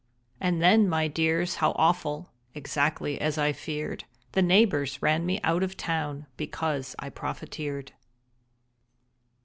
And then, my dears, how awful, (Exactly as I feared) The neighbors ran me out of town Because I profiteered.